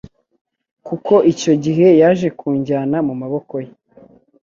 kuko icyo gihe yaje kunjyana mu maboko ye